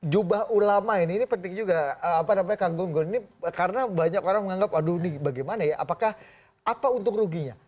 jubah ulama ini ini penting juga apa namanya kang gunggun ini karena banyak orang menganggap aduh ini bagaimana ya apakah apa untung ruginya